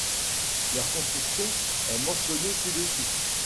Leur construction est mentionnée ci-dessous.